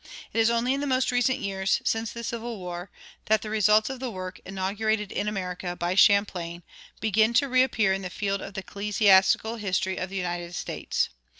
It is only in the most recent years, since the Civil War, that the results of the work inaugurated in America by Champlain begin to reappear in the field of the ecclesiastical history of the United States.